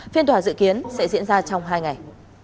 phiên tòa dự kiến sẽ diễn ra trong hai ngày